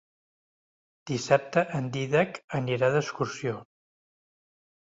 Dissabte en Dídac anirà d'excursió.